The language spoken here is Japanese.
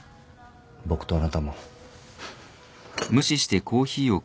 僕とあなたも。